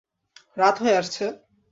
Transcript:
রাত হয়ে আসছে?